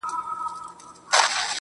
o مرگ دی که ژوند دی.